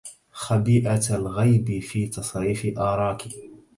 خبيئةَ الغيبِ في تَصريفِ آراكِ